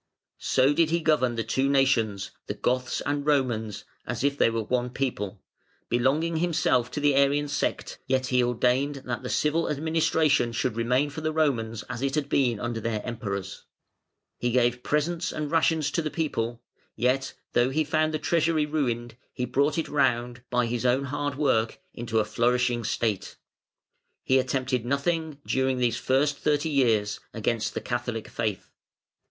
So did he govern the two nations, the Goths and Romans, as if they were one people, belonging himself to the Arian sect, yet he ordained that the civil administration should remain for the Romans as it had been under their Emperors. He gave presents and rations to the people, yet, though he found the Treasury ruined, he brought it round, by his own hard work, into a flourishing state. He attempted nothing (during these first thirty years) against the Catholic faith.